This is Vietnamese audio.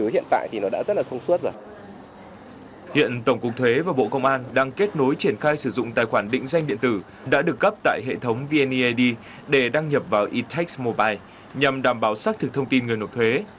hiện tổng cục thuế và bộ công an đang kết nối triển khai sử dụng tài khoản định danh điện tử đã được cấp tại hệ thống vneid để đăng nhập vào intex mobile nhằm đảm bảo xác thực thông tin người nộp thuế